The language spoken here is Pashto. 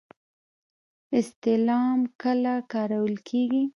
استعلام کله کارول کیږي؟